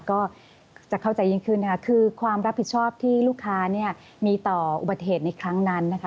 ก็จะเข้าใจยิ่งขึ้นนะคะคือความรับผิดชอบที่ลูกค้าเนี่ยมีต่ออุบัติเหตุในครั้งนั้นนะคะ